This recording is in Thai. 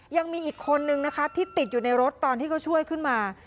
ยังมีอีกคนนึงนะคะที่ติดอยู่ในรถตอนที่เขาช่วยขึ้นมา